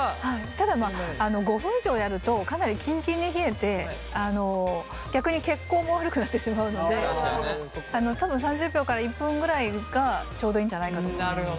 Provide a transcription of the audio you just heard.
ただ５分以上やるとかなりキンキンに冷えて逆に血行も悪くなってしまうので多分３０秒から１分ぐらいがちょうどいいんじゃないかと思います。